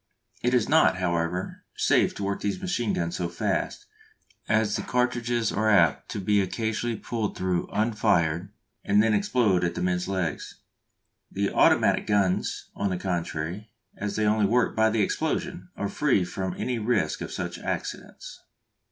It is not, however, safe to work these machine guns so fast, as the cartridges are apt to be occasionally pulled through unfired and then explode among the men's legs. The automatic guns, on the contrary, as they only work by the explosion, are free from any risk of such accidents.